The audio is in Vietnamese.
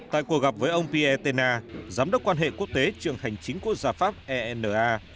tại cuộc gặp với ông piertena giám đốc quan hệ quốc tế trường hành chính quốc gia pháp ena